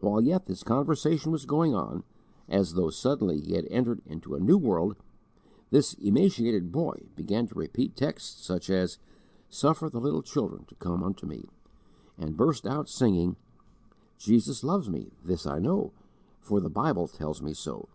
While yet this conversation was going on, as though suddenly he had entered into a new world, this emaciated boy began to repeat texts such as "Suffer the little children to come unto me," and burst out singing: "Jesus loves me, this I know, For the Bible tells me so."